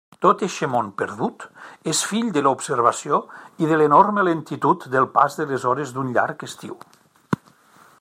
Tot eixe món perdut és fill de l'observació i de l'enorme lentitud del pas de les hores d'un llarg estiu.